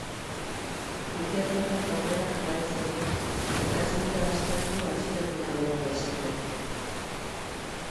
Ikerketak aurrera jarraitzen du, eta ez dute baztertu atxiloketa gehiago izatea.